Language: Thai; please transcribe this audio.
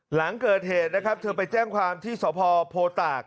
หลังเกิดเหตุนะครับเธอไปแจ้งความที่สพโพตาก